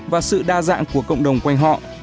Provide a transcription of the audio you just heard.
và sự đa dạng của cộng đồng quanh họ